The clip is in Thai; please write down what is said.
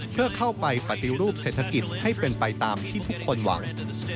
เพื่อเข้าไปปฏิรูปเศรษฐกิจให้เป็นไปตามที่ทุกคนหวัง